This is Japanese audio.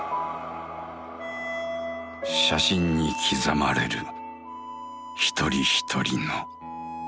写真に刻まれる一人一人の人生。